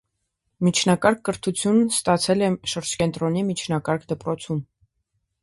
Միջնակարգ կրթությունն ստացել է շրջկենտրոնի միջնակարգ դպրոցում։